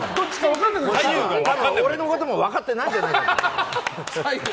俺のことも分かってないんじゃないの？